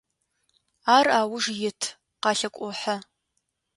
Ар ауж ит, къалъекӏухьэ.